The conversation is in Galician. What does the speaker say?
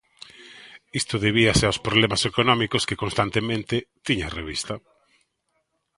Isto debíase aos problemas económicos que constantemente tiña a revista.